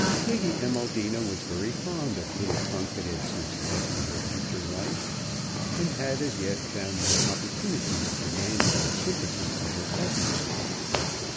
Lady Amaldina was very fond of little confidences as to her future life, and had as yet found no opportunity of demanding the sympathy of her cousin.